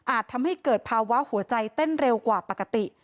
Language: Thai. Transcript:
ทำให้เกิดภาวะหัวใจเต้นเร็วกว่าปกติ